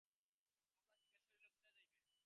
কমলা জিজ্ঞাসা করিল, কোথায় যাইবে?